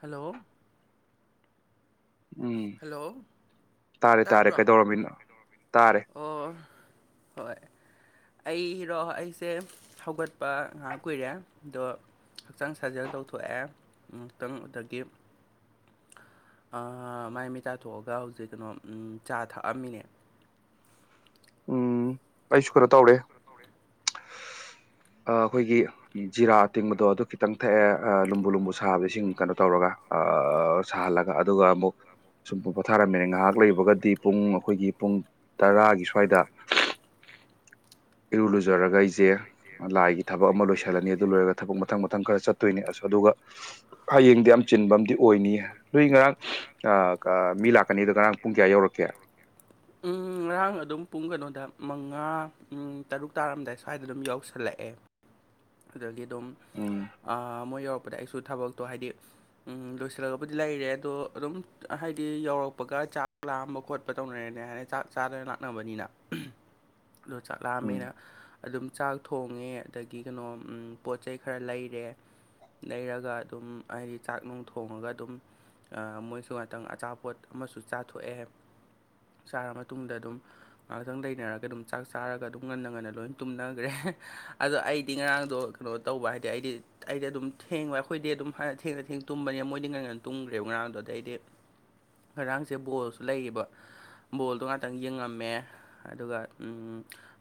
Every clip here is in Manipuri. ꯍꯜꯂꯣ ꯎꯝ ꯍꯜꯂꯣ ꯇꯥꯔꯦ ꯇꯥꯔꯦ ꯇꯥꯕ꯭ꯔꯣ ꯀꯩꯗꯧꯔꯝꯃꯤꯅꯣ ꯇꯥꯔꯦ ꯑꯣ ꯍꯣꯏ ꯑꯩꯔꯣ ꯑꯩꯁꯦ ꯍꯧꯒꯠꯄ ꯉꯥꯏꯍꯥꯛ ꯀꯨꯏꯔꯦ ꯑꯗꯣ ꯍꯛꯆꯥꯡ ꯁꯥꯖꯦꯜ ꯇꯧꯊꯣꯛꯑꯦ ꯉꯥꯛꯇꯪꯗꯒꯤ ꯃꯥꯏ ꯃꯩ ꯆꯥꯊꯣꯛꯑꯒ ꯍꯧꯖꯤꯛ ꯀꯩꯅꯣ ꯆꯥ ꯊꯛꯑꯝꯃꯤꯅꯦ ꯎꯝ ꯑꯩꯁꯨ ꯈꯔ ꯇꯧꯔꯦ ꯇꯧꯔꯦ [inaudible] ꯑꯩꯈꯣꯏꯒꯤ ꯖꯤꯔꯥ ꯇꯤꯡꯕꯗꯣ ꯑꯗꯨ ꯈꯤꯇꯪ ꯊꯛꯑꯦ ꯂꯨꯝꯕꯨ ꯂꯨꯝꯕꯨ ꯁꯥꯕꯗ ꯏꯁꯤꯡ ꯀꯩꯅꯣ ꯇꯧꯔꯒ ꯁꯥꯍꯜꯂꯒ ꯑꯗꯨꯒ ꯑꯃꯨꯛ ꯁꯨꯝ ꯄꯣꯊꯥꯔꯝꯃꯤꯅꯦ ꯉꯥꯏꯍꯥꯛ ꯂꯩꯨꯕꯒꯗꯤ ꯄꯨꯡ ꯑꯩꯈꯣꯏꯒꯤ ꯄꯨꯡ ꯇꯔꯥꯒꯤ ꯁ꯭ꯋꯥꯏꯗ ꯁꯣꯏꯗ ꯏꯔꯨ ꯂꯨꯖꯔꯒ ꯑꯩꯁꯦ ꯂꯥꯏꯒꯤ ꯊꯕꯛ ꯑꯃ ꯂꯣꯏꯁꯤꯜꯂꯅꯤ ꯑꯗꯨ ꯂꯣꯏꯔꯒ ꯊꯕꯛ ꯃꯊꯪ ꯃꯊꯪ ꯈꯔ ꯆꯠꯇꯣꯏꯅꯤ ꯑ ꯑꯗꯨꯒ ꯍꯌꯦꯡꯗꯤ ꯌꯥꯝ ꯆꯤꯟꯕ ꯑꯝ ꯑꯣꯏꯅꯤ ꯅꯣꯏ ꯉꯔꯥꯡ ꯃꯤ ꯂꯥꯛꯀꯅꯤꯗꯣ ꯉꯔꯥꯡ ꯄꯨꯡ ꯀꯌꯥ ꯌꯧꯔꯛꯀꯦ [inaudible] ꯎ ꯉꯔꯥꯡ ꯑꯗꯨꯝ ꯄꯨꯡ ꯀꯩꯅꯣꯗ ꯃꯉꯥ ꯇꯔꯨꯛ ꯇꯥꯔꯝꯗꯥꯏ ꯁ꯭ꯋꯥꯏꯗ ꯑꯗꯨꯝ ꯌꯧꯁꯜꯂꯛꯑꯦ ꯑꯗꯨꯗꯒꯤ ꯑꯗꯨꯝ ꯎꯝ ꯃꯣꯏ ꯌꯧꯔꯛꯄꯗ ꯑꯩꯁꯨ ꯊꯕꯛꯇꯣ ꯍꯥꯏꯗꯤ ꯎꯝ ꯂꯣꯏꯁꯤꯜꯂꯒꯕꯨꯗꯤ ꯂꯩꯔꯦ ꯑꯗꯣ ꯑꯗꯨꯝ ꯍꯥꯏꯗꯤ ꯌꯧꯔꯛꯄꯒ ꯆꯥ ꯆꯥꯛ ꯂꯥꯑꯝꯕ ꯈꯣꯠꯄ ꯇꯧꯅꯔꯦꯅꯦ ꯍꯥꯏꯅ ꯆꯥꯛ ꯆꯥꯗꯅ ꯂꯥꯛꯅꯕꯅꯤꯅ [inaudible] ꯑꯗꯣ ꯎꯝ ꯆꯥꯛꯂꯥꯝꯃꯦꯅ ꯑꯗꯨꯝ ꯆꯥꯛ ꯊꯣꯡꯉꯦ ꯑꯗꯒꯤ ꯀꯩꯅꯣ ꯄꯣꯠ ꯆꯩꯩ ꯈꯔ ꯂꯩꯔꯦ ꯂꯩꯔꯒ ꯑꯗꯨꯝ ꯍꯥꯏꯗꯤ ꯆꯥꯛ ꯅꯨꯡ ꯊꯣꯡꯉꯒ ꯑꯗꯨꯝ ꯃꯣꯏꯁꯨ ꯉꯥꯛꯇꯪ ꯑꯆꯥꯄꯣꯠ ꯑꯃꯁꯨ ꯆꯥꯊꯣꯛꯑꯦ ꯆꯥꯔ ꯃꯇꯨꯡꯗ ꯑꯗꯨꯝ ꯉꯥꯏꯍꯥꯛꯇꯪ ꯂꯩꯅꯔꯒ ꯑꯗꯨꯝ ꯆꯥꯛ ꯆꯥꯔꯒ ꯑꯗꯨꯝ ꯉꯟꯅ ꯉꯟꯅ ꯂꯣꯏ ꯇꯨꯝꯅꯈ꯭ꯔꯦ ꯑꯗꯣ ꯑꯩ ꯍꯥꯏꯗꯤ ꯉꯔꯥꯡꯗꯣ ꯀꯩꯅꯣ ꯇꯧꯕ ꯍꯥꯏꯗꯤ ꯑꯩꯗꯤ ꯑꯩꯗꯤ ꯑꯗꯨꯝ ꯊꯦꯡꯕ ꯑꯩꯈꯣꯏꯗꯤ ꯑꯗꯨꯝ ꯊꯦꯡꯅ ꯊꯦꯡ ꯇꯨꯝꯕꯅꯤ ꯃꯣꯏꯗꯤ ꯉꯔꯥꯡ ꯇꯨꯡꯈ꯭ꯔꯦꯕ ꯉꯔꯥꯡꯗꯣ ꯑꯗꯩꯗꯤ ꯉꯔꯥꯡꯁꯦ ꯕꯣꯜꯁꯨ ꯂꯩꯌꯦꯕ ꯕꯣꯜꯗꯣ ꯉꯥꯛꯇꯪ ꯌꯦꯡꯉꯝꯃꯦ ꯑꯗꯨꯒ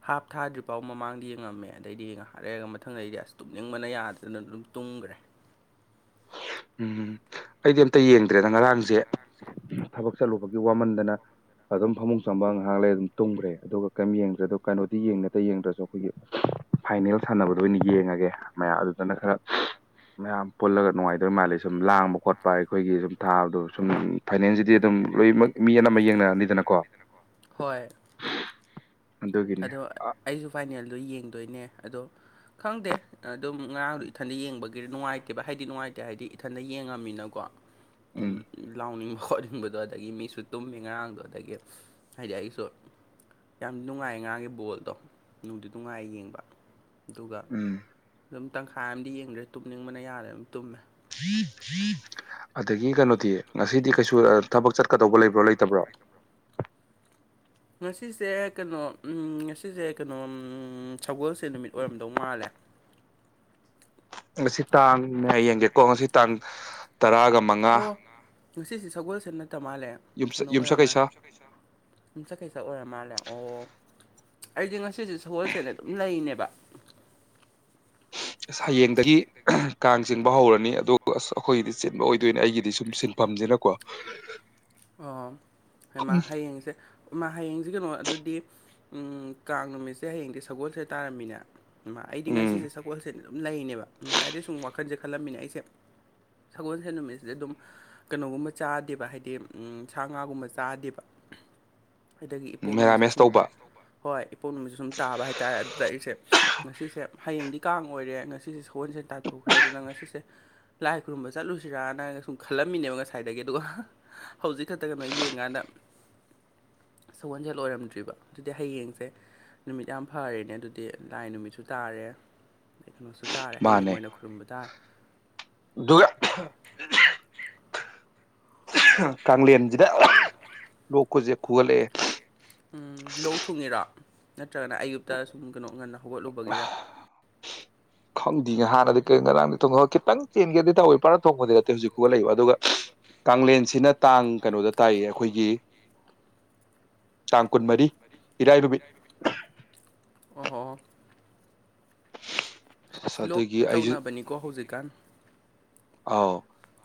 ꯍꯥꯞ ꯊꯥꯗ꯭ꯔꯤꯐꯥꯎ ꯃꯃꯥꯡꯗꯤ ꯌꯦꯡꯉꯝꯃꯦ ꯑꯗꯩꯗꯤ ꯌꯦꯡꯉ ꯐꯔꯦꯛꯒ ꯃꯊꯪꯗ ꯑꯩꯗꯤ ꯑꯁ ꯇꯨꯝꯅꯤꯡꯕꯅ ꯌꯥꯗꯗꯅ ꯑꯗꯨꯝ ꯇꯨꯝꯈ꯭ꯔꯦ ꯎꯝꯝ ꯑꯩꯗꯤ ꯑꯝꯇ ꯌꯦꯡꯗ꯭ꯔꯦꯗ ꯉꯔꯥꯡꯁꯦ ꯊꯕꯛ ꯆꯠꯂꯨꯕꯒꯤ ꯋꯥꯃꯟꯗꯅ ꯑꯗꯨꯝ ꯐꯃꯨꯡ ꯆꯪꯕ ꯉꯥꯏꯍꯥꯛ ꯂꯩ ꯑꯗꯨꯝ ꯇꯨꯝꯈ꯭ꯔꯦ ꯑꯗꯨꯒ ꯀꯔꯤꯝ ꯌꯦꯡꯗ꯭ꯔꯦ ꯑꯗꯣ ꯀꯩꯅꯣꯗꯤ ꯌꯦꯡꯉꯦ ꯑꯇꯩ ꯌꯦꯡꯗ꯭ꯔꯁꯨ ꯐꯥꯏꯅꯦꯜ ꯁꯥꯟꯅꯕꯗ ꯑꯣꯏꯅ ꯌꯦꯡꯉꯒꯦ ꯃꯌꯥꯝ ꯑꯗꯨꯗꯅ ꯈꯔ ꯃꯌꯥꯝ ꯄꯨꯜꯂꯒ ꯅꯨꯡꯉꯥꯏꯇ ꯑꯗꯨ ꯃꯥꯜꯜꯂꯤꯦ ꯁꯨꯝ ꯂꯥꯡꯕ ꯈꯣꯠꯄ ꯑꯩꯈꯣꯏꯒꯤ ꯁꯨꯝ ꯊꯥꯕꯗꯣ ꯁꯨꯝ ꯐꯥꯏꯁꯤ ꯗꯤ ꯑꯗꯨꯝ ꯂꯣꯏꯅꯃꯛ ꯃꯤ ꯑꯅꯝꯕ ꯌꯦꯡꯅꯔꯅꯤꯗꯅꯀꯣ ꯍꯣꯏ ꯑꯗꯨꯒꯤꯅꯤ ꯑꯗꯣ ꯑꯩꯁꯨ ꯐꯥꯏꯅꯦꯜꯗꯣ ꯌꯦꯡꯗꯣꯏꯅꯦ ꯑꯗꯣ ꯈꯪꯗꯦ ꯑꯗꯨꯝ ꯉꯔꯥꯡꯗꯣ ꯏꯊꯟꯗ ꯌꯦꯡꯕꯒꯤ ꯅꯨꯡꯉꯥꯏꯇꯦꯕ ꯍꯥꯏꯗꯤ ꯅꯨꯡꯉꯥꯏꯇꯦ ꯍꯥꯏꯗꯤ ꯏꯊꯟꯗ ꯌꯦꯡꯉꯃꯤꯅꯀꯣ ꯎꯝ ꯂꯥꯎꯅꯤꯡꯕ ꯈꯣꯠꯅꯤꯡꯕꯗꯣ ꯑꯗꯒꯤ ꯃꯤꯁꯨ ꯇꯨꯝꯃꯤ ꯉꯔꯥꯡꯗꯣ ꯑꯗꯒꯤ ꯍꯥꯏꯗꯤ ꯑꯩꯁꯨ ꯌꯥꯝ ꯅꯨꯡꯉꯥꯏ ꯉꯥꯒꯤ ꯕꯣꯜꯗꯣ ꯅꯨꯡꯗꯨ ꯅꯨꯡꯉꯥꯏ ꯌꯦꯡꯕ ꯑꯗꯨꯒ ꯎꯝ ꯑꯗꯨꯝ ꯇꯪꯈꯥꯏ ꯑꯃꯗꯤꯗꯤ ꯌꯦꯡꯗ꯭ꯔꯦ ꯇꯨꯝꯅꯤꯡꯕꯅ ꯌꯥꯔꯦ ꯑꯗꯨꯝ ꯇꯨꯝꯃꯦ ꯑꯗꯒꯤ ꯀꯩꯅꯣꯗꯤ ꯉꯁꯤꯗꯤ ꯀꯩꯁꯨ ꯊꯕꯛ ꯆꯠꯀꯗꯧꯕ ꯂꯩꯕ꯭ꯔꯣ ꯂꯩꯇꯕ꯭ꯔꯣ ꯉꯁꯤꯁꯦ ꯀꯩꯅꯣ ꯉꯁꯤꯁꯦ ꯀꯩꯅꯣ ꯁꯒꯣꯜꯁꯦ ꯅꯨꯃꯤꯠ ꯑꯣꯏꯔꯝꯗꯧ ꯃꯥꯜꯂꯦ ꯉꯁꯤ ꯇꯥꯡꯅꯦ ꯌꯦꯡꯒꯦꯀꯣ ꯉꯁꯤ ꯇꯥꯡ ꯇꯔꯥꯒ ꯃꯉꯥ ꯑꯣ ꯉꯁꯤꯁꯦ ꯁꯒꯣꯜꯁꯦꯜ ꯅꯠꯇ ꯃꯥꯜꯂꯦ ꯀꯩꯅꯣ ꯑꯣꯏꯔ ꯃꯥꯜꯂꯦ ꯌꯨꯝꯁꯀꯩꯁ ꯑꯗꯨꯨꯝ ꯆꯈꯩ ꯁꯛ ꯑꯣꯏꯔ ꯃꯥꯜꯂꯦ ꯑꯣ ꯑꯩꯗꯤꯦ ꯉꯁꯤꯁꯦ ꯁꯒꯣꯜꯁꯦꯅ ꯑꯗꯨꯝ ꯂꯩꯅꯦꯕ ꯍꯌꯦꯡꯗꯒꯤ ꯀꯥꯡ ꯆꯤꯡꯕ ꯍꯧꯔꯅꯤ ꯑꯗꯨꯒ ꯑ ꯑꯩꯈꯣꯏꯒꯤꯗꯤ ꯆꯤꯟꯕ ꯑꯣꯏꯗꯣꯏꯅꯦ ꯑꯩꯒꯤꯗꯤ ꯁꯨꯝ ꯁꯤꯟꯐꯝꯁꯤꯅꯀꯣ ꯑꯣ ꯍꯩꯃꯥ ꯍꯌꯦꯡꯖꯦ ꯃꯥ ꯍꯌꯦꯡꯁꯤ ꯀꯩꯅꯣ ꯑꯗꯨꯗꯤ ꯀꯥꯡ ꯅꯨꯃꯤꯠꯁꯦ ꯍꯌꯦꯡꯗꯤ ꯁꯒꯣꯜꯁꯦ ꯇꯥꯔꯝꯃꯤꯅꯦ ꯑꯩꯗꯤ ꯉꯁꯤꯁꯦ ꯎꯝ ꯁꯒꯣꯜꯁꯦ ꯑꯗꯨꯝ ꯂꯩꯅꯦꯕ ꯉꯁꯥꯏꯗ ꯁꯨꯝ ꯋꯥꯈꯟꯖꯦ ꯈꯜꯂꯝꯃꯤꯅꯦ ꯑꯩꯁꯦ ꯁꯒꯣꯜꯁꯦꯟ ꯅꯨꯃꯤꯠꯁꯤꯗꯤ ꯑꯗꯨꯝ ꯀꯩꯅꯣꯒꯨꯝꯕ ꯆꯥꯗꯦꯕ ꯍꯥꯏꯗꯤ ꯁꯥ ꯉꯥꯒꯨꯝꯕ ꯆꯥꯗꯦꯕ ꯑꯗꯒꯤ ꯏꯄꯣꯛ ꯅꯨꯃꯤꯠꯁꯨ ꯃꯦꯔꯥꯃꯦꯁ ꯁꯨꯝ ꯇꯧꯕ ꯍꯣꯏ ꯏꯄꯣꯛ ꯅꯨꯃꯤꯠꯁ ꯁꯨꯝ ꯇꯥꯕ ꯍꯥꯏꯇꯥꯔꯦ ꯑꯗꯨꯗ ꯑꯩꯁꯦ ꯉꯁꯤꯁꯦ ꯍꯥꯌꯦꯡꯗꯤ ꯀꯥꯡ ꯑꯣꯏꯔꯦ ꯉꯁꯤꯁꯦ ꯁꯒꯣꯟꯁꯦꯟ ꯇꯥꯊꯣꯛꯈ꯭ꯔꯦ ꯑꯗꯨꯅ ꯉꯁꯤꯁꯦ ꯂꯥꯏ ꯈꯨꯔꯨꯝꯕ ꯆꯠꯂꯨꯁꯤꯔꯥꯅ ꯁꯨꯝ ꯈꯜꯂꯝꯃꯤꯅꯦꯕ ꯉꯁꯥꯏꯗꯒꯤ ꯑꯗꯨꯒ ꯍꯧꯖꯤꯛ ꯈꯛꯇ ꯀꯩꯅꯣ ꯌꯦꯡꯉꯥꯟꯗ ꯁꯧꯍꯣꯟꯁꯦꯜ ꯑꯣꯏꯔꯝꯗ꯭ꯔꯤꯕ ꯑꯗꯨꯗꯤ ꯍꯌꯦꯡꯁꯦ ꯅꯨꯃꯤꯠ ꯌꯥꯝ ꯐꯔꯦꯅꯦ ꯑꯗꯨꯗꯤ ꯂꯥꯏ ꯅꯨꯃꯤꯠꯁꯨ ꯇꯥꯔꯦ ꯩ ꯀꯩꯅꯣꯁꯨ ꯇꯥꯔꯦ ꯍꯌꯦꯡ ꯃꯥꯅꯦ ꯑꯣꯏꯅ ꯈꯨꯔꯨꯝꯕ ꯑꯗꯨꯒ ꯇꯥꯔꯦ ꯀꯥꯡꯂꯦꯟꯁꯤꯗ ꯂꯣꯛꯀꯁꯦ ꯈꯨꯍꯠꯂꯛꯑꯦ꯫ ꯎꯝ ꯂꯣꯛ ꯊꯨꯡꯉꯤꯔꯥ ꯅꯠꯇ꯭ꯔꯒꯅ ꯑꯌꯨꯛꯇꯥ ꯁꯨꯝ ꯀꯩꯅꯣ ꯉꯟꯅ ꯍꯧꯒꯠꯂꯨꯕꯒꯤꯔꯥ ꯈꯪꯗꯤꯌꯦ ꯍꯥꯟꯅꯗꯤ ꯀꯔꯤꯝ ꯉꯔꯥꯡꯗ ꯊꯣꯡꯒ ꯈꯤꯇꯪ ꯆꯦꯟꯒꯦꯗꯤ ꯇꯧꯋꯤ ꯄꯨꯔ ꯊꯣꯡꯕꯗꯤ ꯅꯠꯇꯦ ꯍꯧꯖꯤꯛ ꯈꯨꯒꯠꯂꯛꯏꯕ ꯑꯗꯨꯒ ꯀꯦꯟꯁꯤꯅ ꯇꯥꯡ ꯀꯩꯅꯣꯗ ꯇꯥꯏꯌꯦ ꯑꯩꯈꯣꯏꯒꯤ ꯇꯥꯡ ꯀꯨꯟꯃꯔꯤ ꯏꯔꯥꯏ ꯅꯨꯃꯤꯠ ꯍꯣ ꯍꯣ ꯍꯣ ꯑꯁ ꯏꯁ ꯂꯣꯛ ꯑꯗꯨꯒꯤ ꯌꯥꯝ ꯑꯩꯁꯨ ꯇꯧꯅꯕꯅꯤꯀꯣ ꯍꯧꯖꯤꯛꯀꯥꯟ꯫ ꯑꯥꯎ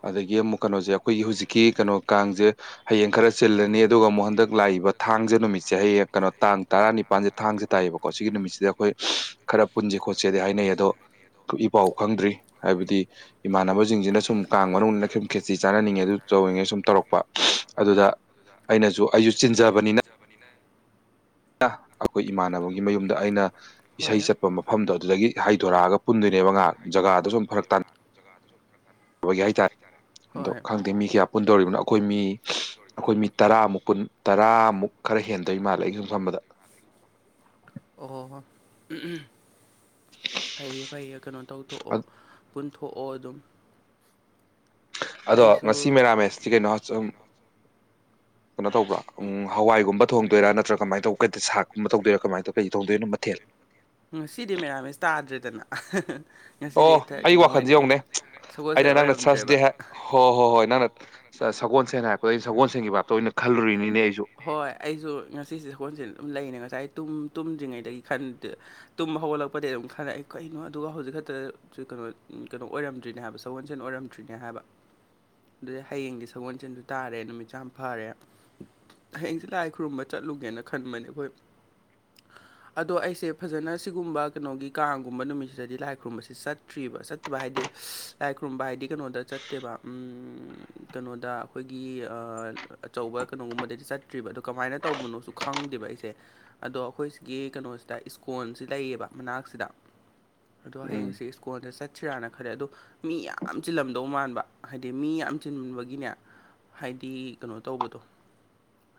ꯑꯗꯒꯤ ꯑꯃꯨꯛ ꯀꯩꯅꯣꯁꯦ ꯑꯩꯈꯣꯏꯒꯤ ꯍꯧꯖꯤꯛꯀꯤ ꯀꯩꯅꯣ ꯀꯥꯡꯖꯦ ꯍꯌꯦꯡ ꯈꯔ ꯆꯤꯜꯂꯅꯤ ꯑꯗꯨꯒ ꯑꯃꯨꯛ ꯍꯟꯗꯛ ꯂꯥꯛꯏꯕ ꯊꯥꯡꯁꯦ ꯅꯨꯃꯤꯠꯁꯦ ꯍꯌꯦꯡ ꯀꯩꯅꯣ ꯇꯥꯡ ꯇꯔꯥꯅꯤꯄꯥꯟꯁꯦ ꯊꯥꯡꯁꯦ ꯇꯥꯏꯌꯦꯕꯀꯣ ꯀꯣ ꯁꯤꯒꯤ ꯅꯨꯃꯤꯠꯁꯤꯗ ꯑꯩꯈꯣꯏ ꯈꯔ ꯄꯨꯟꯁꯦ ꯈꯣꯠꯁꯦꯗꯤ ꯍꯥꯏꯅꯩ ꯑꯗꯣ ꯏ ꯄꯥꯎ ꯈꯪꯗ꯭ꯔꯤ ꯍꯥꯏꯕꯗꯤ ꯏꯃꯥꯟꯅꯕ ꯁꯤꯡꯁꯤꯅ ꯁꯨꯝ ꯀꯥꯡ ꯃꯅꯨꯡꯗꯅ ꯁꯨꯝ ꯈꯦꯆꯤ ꯆꯥꯟꯅꯅꯤꯡꯉꯦ ꯑꯗꯨ ꯇꯧꯔꯤꯤꯉꯩ ꯁꯨꯝ ꯇꯧꯔꯛꯄ ꯑꯗꯨꯗ ꯑꯩꯅꯁꯨ ꯑꯩꯁꯨ ꯆꯤꯟꯖꯕꯅꯤꯅ [unintelligible] ꯑꯩꯈꯣꯏ ꯏꯃꯥꯟꯅꯕꯒꯤ ꯃꯌꯨꯝꯗ ꯑꯩꯅ ꯍꯣꯏ ꯏꯁꯩ ꯆꯠꯄ ꯃꯐꯝꯗꯣ ꯑꯗꯨꯗꯒꯤ ꯍꯥꯏꯩꯗꯣꯔꯛꯑꯒ ꯄꯨꯟꯗꯣꯏꯅꯦꯕ ꯉꯍꯥꯛ ꯖꯒꯥꯗꯨ ꯁꯨꯝ ꯐꯔꯛ ꯇꯥꯟ [unintelligible] ꯍꯥꯏꯇꯥꯔꯦ ꯑꯗꯣ ꯍꯣꯏ ꯈꯪꯗꯦ ꯃꯤ ꯀꯌꯥ ꯄꯨꯟ ꯇꯧꯔꯤꯕꯅꯣ ꯑꯩꯈꯣꯏ ꯃꯤ ꯑꯩꯈꯣꯏ ꯃꯤ ꯇꯔꯥꯃꯨꯛ ꯄꯨꯟ ꯇꯔꯥꯃꯨꯛ ꯈꯔ ꯍꯦꯟꯗꯣꯏ ꯃꯥꯜꯂꯦ ꯑꯩꯩꯅ ꯁꯨꯝ ꯈꯟꯕꯗ ꯑꯣ ꯐꯩꯌꯦ ꯐꯩꯌꯦ ꯀꯩꯅꯣ ꯇꯧꯊꯣꯛꯑꯣ ꯄꯨꯨꯟꯊꯣꯛꯑꯣ ꯑꯗꯨꯝ꯫ ꯑꯗꯣ ꯑꯩꯁꯨ ꯉꯁꯤ ꯃꯦꯔꯥꯃꯦꯁꯇꯤ ꯀꯩꯅꯣꯨꯝ ꯀꯩꯅꯣ ꯇꯧꯕ꯭ꯔꯣ ꯎ ꯍꯋꯥꯏꯒꯨꯝꯕ ꯊꯣꯡꯗꯣꯏꯔꯥ ꯅꯠꯇ꯭ꯔ ꯀꯃꯥꯏꯅ ꯇꯧ ꯁꯥꯛꯀꯨꯝꯕ ꯇꯧꯗꯣꯏꯔꯥ ꯀꯃꯥꯏ ꯇꯧ ꯀꯩ ꯇꯧꯗꯣꯏꯅꯣ ꯃꯊꯦꯜ ꯉꯁꯤꯗꯤ ꯃꯦꯔꯝꯃꯦꯁ ꯇꯥꯗ꯭ꯔꯦꯗꯅ ꯉꯁꯤꯗꯤ ꯑꯣ ꯍꯦꯛꯇ ꯑꯩ ꯀꯩꯅꯣ ꯋꯥꯈꯜꯁꯦ ꯑꯣꯢꯅ ꯌꯦꯡꯉꯨꯅꯦ ꯁꯒꯣꯜꯁꯦꯟ ꯑꯩꯅ ꯅꯪꯅ ꯑꯣꯏꯔꯝꯗ꯭ꯔꯦꯕ꯫ ꯊꯔꯁꯗꯦ ꯍꯥꯏ ꯍꯣꯏ ꯍꯣꯏ ꯍꯣꯏ ꯅꯪꯅ ꯁꯒꯣꯜ ꯁꯦꯟꯅ ꯍꯥꯏꯔꯛꯄꯗ ꯁꯒꯣꯜꯁꯦꯟꯒꯤ ꯚꯥꯞꯇ ꯑꯣꯏꯅ ꯈꯜꯂꯨꯔꯤꯅꯤꯅꯦ ꯑꯩꯁꯨ ꯍꯣꯏ ꯑꯩꯁꯨ ꯉꯁꯤꯁꯦ ꯍꯣꯟꯁꯦ ꯑꯗꯨꯝ ꯂꯩꯅꯦ ꯉꯁꯥꯏ ꯇꯨꯝ ꯇꯨꯝꯗ꯭ꯔꯤꯉꯩꯗꯒꯤ ꯈꯟ ꯇꯨꯝꯕ ꯍꯧꯒꯠꯂꯛꯄꯗꯒꯤ ꯑꯗꯨꯝ ꯈꯜꯂꯛꯑꯦ ꯀꯩꯅꯣ ꯑꯗꯨꯒ ꯍꯧꯖꯤꯛ ꯈꯛꯇ ꯁꯤ ꯀꯩꯅꯣ ꯀꯩꯅꯣ ꯑꯣꯏꯔꯝꯗ꯭ꯔꯤꯅꯦ ꯍꯥꯏꯕ ꯁꯒꯣꯜꯁꯦꯟ ꯑꯣꯏꯔꯝꯗ꯭ꯔꯤꯅꯦ ꯍꯥꯏꯕ꯫ ꯑꯗꯨꯗꯤ ꯍꯌꯦꯡꯗꯤ ꯁꯒꯣꯜꯁꯦꯟꯁꯨ ꯇꯥꯔꯦ ꯅꯨꯃꯤꯠꯁꯨ ꯌꯥꯝ ꯐꯔꯦ ꯍꯌꯦꯡꯁꯦ ꯂꯥꯏ ꯈꯨꯔꯨꯝꯕ ꯆꯠꯂꯨꯒꯦꯅ ꯈꯟꯕꯅꯦ ꯑꯩꯈꯣꯏ [unintelligible] ꯑꯗꯣ ꯑꯩꯁꯦ ꯐꯖꯅ ꯁꯤꯒꯨꯝꯕ ꯀꯩꯅꯣꯒꯤ ꯀꯥꯡꯒꯨꯝꯕ ꯅꯨꯃꯤꯠꯁꯤꯗꯗꯤ ꯂꯥꯏ ꯈꯨꯔꯨꯝꯕꯕꯁꯤꯦ ꯆꯠ ꯠꯇ꯭ꯔꯤꯕ ꯆꯠꯇꯕ ꯍꯥꯏꯗꯤ ꯂꯥꯏ ꯈꯨꯔꯨꯝꯕ ꯍꯥꯏꯗꯤ ꯀꯩꯅꯣꯗ ꯆꯠꯇꯦꯕ ꯀꯩꯅꯣꯗ ꯑꯩꯈꯣꯏꯒꯤ ꯑꯥ ꯑꯆꯧꯕ ꯀꯩꯅꯣꯒꯨꯝꯕꯗꯥꯗꯤ ꯆꯠ ꯐꯠꯇ꯭ꯔꯤꯕ ꯑꯗꯣ ꯀꯃꯥꯏꯅ ꯇꯧꯕꯅꯣꯁꯨ ꯈꯪꯗꯦꯕ ꯑꯩꯁꯦ ꯑꯗꯣ ꯑꯩꯈꯣꯏ ꯁꯤꯒꯤ ꯀꯩꯅꯣꯁꯤꯗ ꯏꯁ꯭ꯀꯣꯟꯁꯤ ꯂꯩꯌꯦꯕ ꯃꯅꯥꯛꯁꯤꯗ ꯑꯗꯣ ꯎꯝ ꯍꯌꯦꯡꯁꯤ ꯁ꯭ꯀꯨꯜꯗ ꯆꯠꯁꯤꯔꯥꯅ ꯈꯜꯂꯦ ꯑꯗꯣ ꯃꯤ ꯌꯥꯝ ꯆꯤꯜꯂꯝꯗꯧ ꯃꯥꯟꯕ ꯍꯥꯏꯗꯤ ꯃꯤ ꯌꯥꯝ ꯆꯤꯟꯃꯟꯕꯒꯤꯅꯦ ꯍꯥꯏꯗꯤ ꯀꯩꯅꯣ ꯇꯧꯕꯗꯣ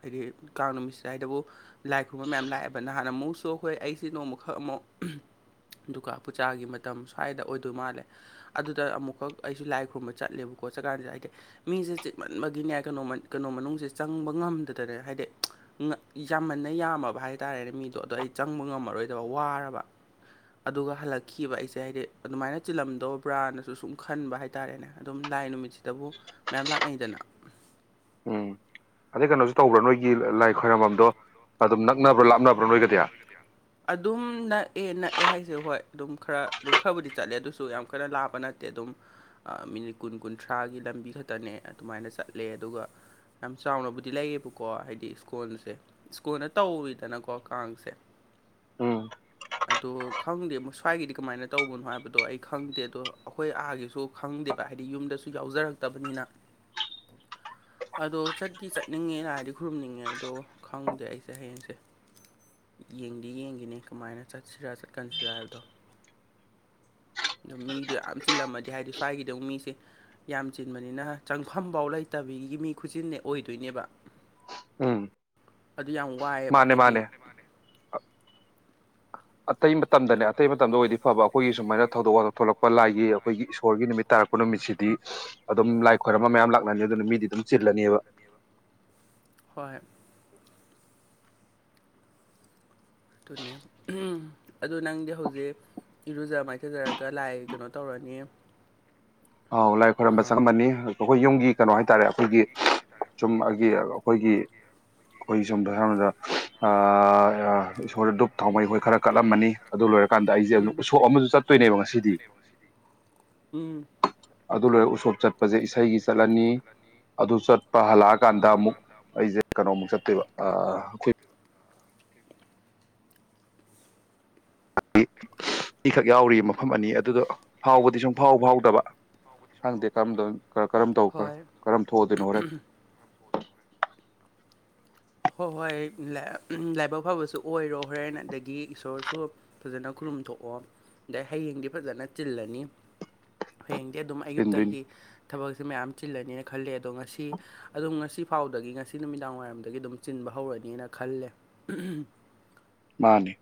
ꯍꯥꯏꯗꯤ ꯀꯥꯡ ꯅꯨꯃꯤꯠꯁꯦ ꯍꯥꯏꯗꯕꯨ ꯂꯥꯏ ꯈꯨꯔꯨꯝꯕ ꯃꯌꯥꯝ ꯂꯥꯛꯑꯦꯕ ꯅꯍꯥꯟ ꯑꯃꯨꯛꯁꯨ ꯑꯩꯈꯣꯏ ꯑꯩꯁꯦ ꯅꯣꯡꯃꯈꯛ ꯑꯃꯨꯛ ꯑꯗꯨꯒ ꯄꯨꯆꯥꯥꯒꯤ ꯃꯇꯝ ꯁ꯭ꯋꯥꯏꯗ ꯑꯣꯏꯗꯣꯏ ꯃꯥꯜꯂꯦ ꯑꯗꯨꯗ ꯑꯃꯨꯛꯈꯛ ꯑꯩꯁꯨ ꯂꯥꯏ ꯈꯨꯔꯨꯝꯕ ꯆꯠꯂꯦꯕꯀꯣ ꯆꯠꯀꯥꯟꯖꯤꯗ ꯑꯩꯗꯤ ꯃꯤꯁꯦ ꯆꯤꯛꯃꯟꯕꯒꯤꯅꯦ ꯀ ꯀꯩꯅꯣ ꯃꯅꯨꯡꯁꯦ ꯆꯪꯕ ꯉꯝꯗꯗꯅꯦ ꯍꯥꯏꯗꯤ ꯌꯥꯝꯃꯟꯅ ꯌꯥꯝꯃꯕ ꯍꯥꯏ ꯇꯥꯔꯦꯅꯦ ꯃꯤꯗꯣ ꯑꯗꯣ ꯑꯩ ꯆꯪꯕ ꯉꯝꯃꯔꯣꯏꯗꯕ ꯋꯥꯔꯕ ꯑꯗꯨꯒ ꯍꯜꯂꯛꯈꯤꯕ ꯑꯩꯁꯦ ꯍꯥꯏꯗꯤ ꯑꯗꯨꯃꯥꯏꯅ ꯆꯤꯜꯂꯝꯗꯧꯕ꯭ꯔꯥꯅꯁꯨ ꯁꯨꯝ ꯈꯟꯕ ꯍꯥꯏ ꯍꯥꯏꯇꯥꯔꯦꯅꯦ ꯑꯗꯨꯝ ꯂꯥꯏ ꯅꯨꯃꯤꯠꯁꯤꯗꯕꯨ ꯃꯌꯥꯝ ꯂꯥꯛꯅꯩꯗꯅ ꯎꯝ ꯑꯗꯩ ꯀꯩꯅꯣꯖꯨ ꯇꯧꯕ꯭ꯔꯥ ꯅꯣꯏꯒꯤ ꯂꯥꯏ ꯈꯣꯏꯔꯝꯝꯕꯝꯗꯣ ꯑꯗꯨꯝ ꯅꯛꯅꯕ꯭ꯔꯥ ꯂꯥꯞꯅꯕ꯭ꯔꯥ ꯅꯣꯏꯒꯗꯤ꯫ ꯑꯗꯨꯝ ꯅꯛꯑꯦ ꯅꯛꯑꯦ ꯍꯥꯏꯁꯦ ꯍꯣꯏ ꯑꯗꯨꯝ ꯈꯔ ꯑꯗꯨꯝ ꯈꯔꯕꯨꯗꯤ ꯆꯠꯂꯦ ꯑꯗꯨꯁꯨ ꯌꯥꯝ ꯀꯟꯅ ꯂꯥꯞꯄ ꯅꯠꯇꯦ ꯑꯗꯨꯝ ꯑ ꯃꯤꯅꯤꯠ ꯀꯨꯟ ꯀꯨꯟꯊ꯭ꯔꯥꯒꯤ ꯂꯝꯕꯤ ꯈꯛꯇꯅꯦ ꯑꯗꯨꯃꯥꯏꯅ ꯆꯠꯂꯦ ꯑꯗꯨꯒ ꯌꯥꯝ ꯆꯥꯎꯅꯕꯨꯗꯤ ꯂꯩꯌꯦꯕꯀꯣ ꯍꯥꯏꯗꯤ ꯏꯁ꯭ꯀꯣꯟꯁꯦ ꯁ꯭ꯀꯣꯟꯅ ꯇꯧꯗ ꯒꯣ ꯀꯥꯡꯁꯦ ꯎꯝ꯫ ꯑꯗꯣ ꯈꯪꯗꯦ ꯁ꯭ꯋꯥꯏꯒꯤꯗꯤ ꯀꯃꯥꯏꯅ ꯇꯧꯕꯅꯣ ꯍꯥꯏꯕꯗꯣ ꯑꯩ ꯈꯪꯗꯦ ꯑꯗꯣ ꯑꯩꯈꯣꯏ ꯑꯥꯒꯤꯁꯨ ꯈꯪꯗꯦꯕ ꯍꯥꯏꯗꯤ ꯌꯨꯝꯗꯁꯨ ꯌꯥꯎꯖꯔꯛꯇꯕꯅꯤꯅ ꯎ [unintelligible] ꯑꯗꯣ ꯆꯠꯇꯤ ꯆꯠꯅꯤꯡꯉꯦꯅ ꯍꯥꯏꯔꯗꯤ ꯈꯨꯔꯨꯝꯅꯤꯡꯉꯦ ꯑꯗꯣ ꯈꯪꯗꯦ ꯑꯩꯁꯦ ꯍꯌꯦꯡꯁꯦ ꯌꯦꯡꯗꯤ ꯌꯦꯡꯈꯤꯅꯦ ꯀꯃꯥꯏꯅ ꯆꯠꯁꯤꯔꯥ ꯆꯠꯀꯟꯁꯤꯔꯥ ꯍꯥꯏꯕꯗꯣ ꯑꯗꯣ ꯃꯤꯗꯣ ꯌꯥꯝ ꯆꯤꯜꯂꯝꯃꯗꯤ ꯍꯥꯏꯗꯤ ꯁ꯭ꯋꯥꯏꯒꯤꯗꯧ ꯃꯤꯁꯦ ꯌꯥꯝ ꯆꯤꯟꯕꯅꯤꯅ ꯆꯪꯐꯝꯐꯥꯎ ꯂꯩꯇꯕꯤꯒꯤ ꯃꯤ ꯈꯨꯆꯟꯅꯦ ꯑꯣꯏꯗꯣꯏꯅꯦꯕ ꯎꯝ ꯑꯗꯨ ꯌꯥꯝ ꯋꯥꯢ ꯃꯥꯅꯦ ꯃꯥꯅꯦ ꯑꯇꯩ ꯃꯇꯝꯗꯅꯦ ꯑꯇꯩ ꯃꯇꯝꯗ ꯑꯣꯏꯗꯤ ꯐꯕ ꯑꯩꯈꯣꯏꯒꯤ ꯁꯨꯃꯥꯏꯅ ꯊꯧꯗꯣꯛ ꯋꯥꯊꯣꯛ ꯊꯣꯛꯂꯛꯄ ꯂꯥꯏꯒꯤ ꯑꯩꯈꯣꯏꯒꯤ ꯏꯁꯣꯔꯒꯤ ꯅꯨꯃꯤꯠ ꯇꯥꯔꯛꯄ ꯅꯨꯃꯤꯠꯁꯤꯗꯤ ꯑꯗꯨꯝ ꯂꯥꯏ ꯈꯣꯏꯔꯝꯕ ꯃꯌꯥꯝ ꯂꯥꯛꯅꯅꯤ ꯑꯗꯨꯅ ꯃꯤꯗꯤ ꯑꯗꯨꯝ ꯆꯤꯜꯂꯅꯤꯕ ꯍꯣꯏ ꯫ ꯑꯗꯨꯨꯅꯦ ꯑꯗꯨ ꯅꯪꯗꯤ ꯍꯧꯖꯤꯛ ꯏꯔꯨꯖ ꯃꯥꯏꯊꯖꯔꯒ ꯂꯥꯏ ꯀꯩꯅꯣ ꯇꯧꯔꯅꯤ ꯑꯥꯎ ꯂꯥꯏ ꯈꯣꯏꯔꯝꯕ ꯑꯥ ꯆꯪꯉꯝꯃꯅꯤ ꯑꯩꯈꯣꯏ ꯌꯨꯝꯒꯤ ꯀꯩꯅꯣ ꯍꯥꯏꯇꯥꯔꯦ ꯑꯩꯈꯣꯏꯒꯤ ꯆꯨꯝ ꯑꯩꯒꯤ ꯑꯩꯈꯣꯏꯒꯤ ꯑꯩꯈꯣꯏ ꯁꯣꯝꯗ ꯑꯍꯥꯟꯕꯗ ꯏꯁꯣꯔꯗ ꯗꯨꯨꯞ ꯊꯥꯎꯃꯩ ꯍꯣꯏ ꯈꯔ ꯀꯠꯂꯝꯃꯅꯤ꯫ ꯑꯗꯨ ꯂꯣꯏꯔꯀꯥꯟꯗ ꯑꯩꯖꯦ ꯑꯗꯨ ꯎꯝ ꯎꯁꯣꯞ ꯑꯃꯁꯨ ꯆꯠꯇꯣꯏꯅꯦꯕ ꯉꯁꯤꯗꯤ ꯎꯝ꯫ ꯑꯗꯨ ꯂꯣꯏꯔꯒ ꯎꯁꯣꯞ ꯆꯠꯄꯖꯦ ꯏꯁꯩꯒꯤ ꯆꯠꯂꯅꯤ ꯑꯗꯨ ꯆꯠꯄ ꯍꯜꯂꯛꯑꯀꯥꯟꯗ ꯑꯃꯨꯛ ꯑꯩꯖꯦ ꯀꯩꯅꯣ ꯃꯨꯛ ꯆꯠꯇꯣꯏꯕ ꯑ ꯑꯩꯈ ꯏꯈꯛ ꯌꯥꯎꯔꯤꯕ ꯃꯐꯝ ꯑꯅꯤ ꯑꯗꯨꯗꯣ ꯍꯥꯎꯕꯗꯤ ꯁꯨꯝ ꯐꯥꯎ ꯐꯥꯎꯗꯕ ꯍꯪꯗꯦ ꯀꯔꯝ ꯀꯔꯝ ꯇꯧ ꯍꯣꯏ ꯀꯔꯝ ꯊꯣꯛꯗꯣꯏꯅꯣ ꯍꯣꯔꯦꯟ꯫ ꯍꯣꯏ ꯍꯣꯏ ꯂꯥꯏꯕꯛ ꯐꯕꯁꯨ ꯑꯣꯏꯔꯣ ꯍꯣꯔꯦꯟ ꯑꯗꯒꯤ ꯏꯁꯣꯔꯁꯨ ꯐꯖꯅ ꯈꯨꯔꯨꯝꯊꯣꯛꯑꯣ ꯑꯗꯩ ꯍꯌꯦꯡꯗꯤ ꯐꯖꯅ ꯆꯤꯜꯂꯅꯤ ꯍꯌꯦꯡꯗꯤ ꯑꯗꯨꯝ ꯆꯤꯟꯗꯣꯏꯅꯤ ꯑꯌꯨꯛꯇꯒꯤ ꯊꯕꯛꯁꯦ ꯃꯌꯥꯝ ꯆꯤꯜꯂꯅꯤꯅ ꯈꯜꯂꯦ ꯑꯗꯣ ꯉꯁꯤ ꯑꯗꯨꯝ ꯉꯁꯤ ꯐꯥꯎꯗꯒꯤ ꯉꯁꯤ ꯅꯨꯃꯤꯗꯥꯡ ꯋꯥꯏꯔꯝꯗꯒꯤ ꯑꯗꯨꯝ ꯆꯤꯟꯕ ꯍꯧꯔꯅꯤꯅ ꯈꯜꯂꯦ [unintelligible] ꯃꯥꯅꯦ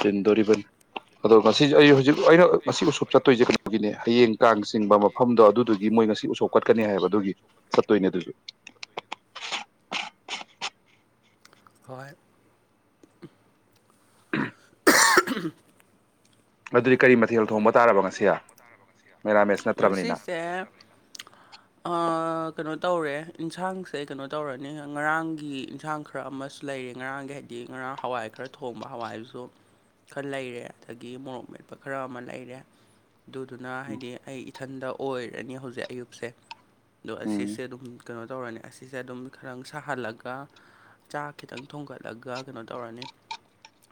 ꯆꯤꯟꯗꯣꯔꯤꯕꯅꯤ ꯑꯗꯣ ꯉꯁꯤ ꯑꯩ ꯍꯧꯖꯤꯛ ꯍꯧꯖꯤꯛ ꯑꯩꯅ ꯉꯁꯤ ꯎꯁꯣꯞ ꯆꯠꯇꯣꯏꯁꯦ ꯀꯩꯅꯣꯒꯤꯅꯦ ꯍꯌꯦꯡ ꯀꯥꯡ ꯆꯤꯡꯕ ꯃꯐꯝꯗꯣ ꯑꯗꯨꯗꯨꯒꯤ ꯃꯣꯏ ꯉꯁꯤ ꯎꯁꯣꯞ ꯀꯠꯀꯅꯤ ꯍꯥꯏꯕ ꯑꯗꯨꯒꯤ ꯆꯠꯇꯣꯏꯅꯦ ꯑꯗꯨꯁꯨ ꯍꯣꯏ꯫ [unintelligible] ꯑꯗꯨꯗꯤ ꯀꯔꯤ ꯃꯊꯦꯜ ꯊꯣꯡꯕ ꯇꯥꯔꯕ ꯉꯁꯤ ꯃꯦꯔꯥꯃꯦꯁ ꯅꯠꯇ꯭ꯔꯕꯅꯤꯅ꯫ [unintelligible] [inaudible] ꯀꯩꯅꯣ ꯇꯧꯔꯦ ꯌꯦꯟꯁꯥꯡꯁꯦ ꯀꯩꯅꯣ ꯇꯧꯔꯅꯤ ꯉꯔꯥꯡꯒꯤ ꯏꯟꯁꯥꯡ ꯈꯔ ꯑꯃꯁꯨ ꯂꯩꯔꯤ ꯉꯔꯥꯡꯒꯤ ꯍꯥꯏꯗꯤ ꯉꯔꯥꯡ ꯍꯋꯥꯏ ꯈꯔ ꯊꯣꯡꯕ ꯍꯋꯥꯏꯗꯨꯁꯨ ꯈꯔ ꯂꯩꯔꯦ ꯑꯗꯒꯤ ꯃꯣꯔꯣꯛ ꯃꯦꯠꯄ ꯈꯔ ꯑꯃ ꯂꯩꯔꯦ ꯑꯗꯨꯗꯨꯅ ꯍꯥꯏꯗꯤ ꯑꯩ ꯏꯊꯟꯗ ꯑꯣꯏꯔꯅꯤ ꯍꯧꯖꯤꯛ ꯑꯌꯨꯛꯁꯦ ꯑꯗꯣ ꯎꯝ ꯑꯁꯤꯁꯦ ꯑꯗꯨꯝ ꯀꯩꯅꯣ ꯇꯧꯔꯅꯤ ꯑꯁꯤꯁꯦ ꯑꯗꯨꯝ ꯈꯔ ꯁꯥꯍꯜꯂꯒ ꯆꯥꯛ ꯈꯤꯇꯪ ꯊꯣꯡꯒꯠꯂꯒ ꯀꯩꯅꯣ ꯇꯧꯔꯅꯤ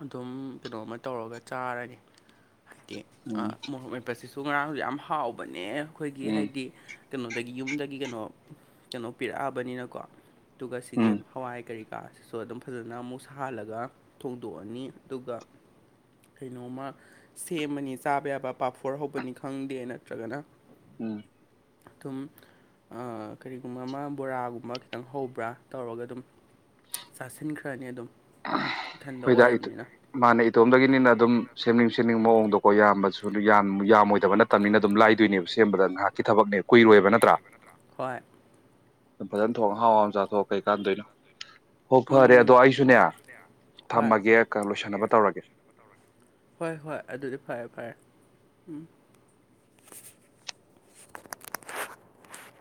ꯑꯗꯨꯝ ꯀꯩꯅꯣꯝꯃ ꯇꯧꯔꯒ ꯆꯥꯔꯅꯤ ꯍꯥꯏꯗꯤ ꯎꯝ ꯑꯥ ꯃꯣꯔꯣꯛ ꯃꯦꯠꯄꯁꯤꯁꯨ ꯉꯔꯥꯡꯁꯨ ꯌꯥꯝ ꯍꯥꯎꯕꯅꯦ ꯑꯩꯈꯣꯏꯒꯤ ꯎꯝ ꯍꯥꯏꯗꯤ ꯀꯩꯅꯣꯗꯒꯤ ꯌꯨꯝꯗꯒꯤ ꯀꯩꯅꯣ ꯀꯩꯅꯣ ꯄꯤꯔꯛꯑꯕꯅꯤꯅꯀꯣ ꯑꯗꯨꯒ ꯎꯝ ꯁꯤꯒꯤ ꯍꯋꯥꯏ ꯀꯔꯤ ꯀꯥꯁꯤꯁꯨ ꯑꯗꯨꯝ ꯐꯖꯅ ꯑꯃꯨꯛ ꯁꯥꯍꯜꯂꯒ ꯊꯣꯡꯗꯣꯛꯑꯅꯤ ꯑꯗꯨꯒ ꯀꯩꯅꯣꯝꯃ ꯁꯦꯝꯃꯅꯤ ꯆꯥꯕ ꯌꯥꯕ ꯄꯥꯐꯣꯔ ꯍꯧꯕꯅꯤ ꯈꯪꯗꯦ ꯅꯠꯇ꯭ꯔꯒꯅ ꯎꯝ ꯊꯝ ꯀꯔꯤꯒꯨꯝꯕ ꯑꯃ ꯕꯣꯔꯥꯒꯨꯝꯕ ꯈꯤꯇꯪ ꯍꯧꯕ꯭ꯔꯥ ꯇꯧꯔꯒ ꯑꯗꯨꯝ ꯆꯥꯁꯤꯟꯈ꯭ꯔꯅꯤ ꯑꯗꯨꯝ ꯏꯊꯟꯗ ꯑꯩꯈꯣꯏꯗꯥꯏ ꯑꯣꯏꯔꯕꯅꯤꯅ ꯃꯥꯅ ꯏꯇꯣꯝꯗꯒꯤꯅꯤꯅ ꯑꯗꯨꯝ ꯁꯦꯝꯅꯤꯡ ꯁꯦꯝꯅꯤꯡꯕ ꯃꯑꯣꯡꯗꯣꯀꯣ ꯏꯕꯁꯨ ꯁꯨ ꯌꯥꯝꯃꯣꯏꯗꯕ ꯅꯠꯇꯕꯅꯤꯅ ꯑꯗꯨꯝ ꯂꯥꯏꯗꯣꯏꯅꯦꯕ ꯁꯦꯝꯕꯗ ꯉꯥꯏꯍꯥꯛꯀꯤ ꯊꯕꯛꯅꯦ ꯀꯨꯏꯔꯣꯏꯕ ꯅꯠꯇ꯭ꯔꯥ ꯍꯣꯏ ꯐꯖꯅ ꯊꯣꯡ ꯑꯍꯥꯎ ꯑ ꯆꯥꯊꯣꯛ ꯀꯩꯀꯥꯟꯗꯣꯏꯅꯣ ꯍꯣ ꯐꯔꯦ ꯑꯗꯣ ꯑꯩꯁꯨꯅꯦ ꯌꯥ ꯊꯝꯃꯒꯦ ꯂꯣꯏꯁꯟꯅꯕ ꯇꯧꯔꯒꯦ ꯍꯣꯏ ꯍꯣꯏ ꯑꯗꯨꯗꯤ ꯐꯔꯦ ꯐꯔꯦ ꯎꯝ